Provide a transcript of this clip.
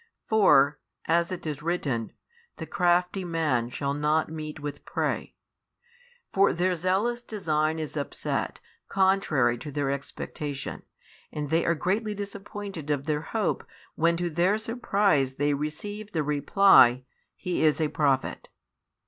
For, as it is written, the crafty man shall not meet with prey. For their zealous design is upset, contrary to their expectation; and they are greatly disappointed of their hope when to their surprise they receive the reply: He is a prophet.